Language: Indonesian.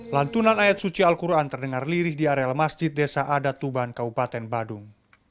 lantunan ayat suci al quran terdengar lirih di areal masjid desa adat tuban kabupaten badung